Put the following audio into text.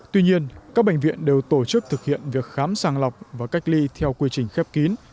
tuy nhiên các bệnh viện đều tổ chức thực hiện việc khám sàng lọc và cách ly theo quy trình khép kín